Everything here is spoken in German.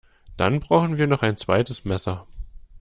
Dann brauchen wir noch ein zweites Messer